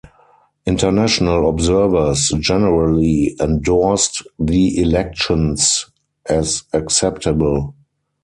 International observers generally endorsed the elections as acceptable.